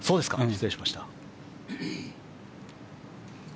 失礼しました。